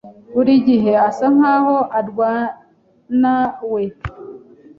buri gihe asa nkaho arwanawe.